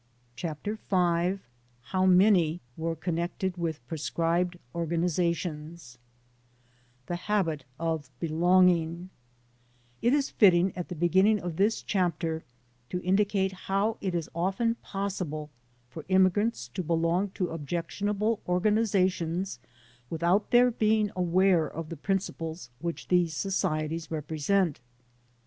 CHAPTER V HOW MANY WERE CONNECTED WITH PROSCRIBED ORGANIZATIONS The Habit of ''Belonging It is fitting at the beginning of this chapter to indi cate how it is often possible for immigrants to belong to objectionable organizations without their being aware of the principles which these societies represent.